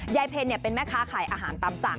เพลเป็นแม่ค้าขายอาหารตามสั่ง